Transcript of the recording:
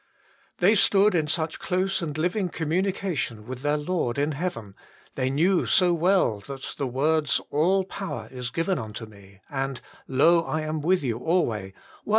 They stood in such close and living communication with their Lord in heaven ; they knew so well that the words, " all power is given unto Me," and " Lo I 28 THE MINISTRY OF INTERCESSION am with you alway," were.